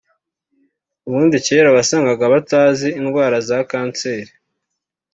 ubundi kera wasangaga batazi indwara za kanseri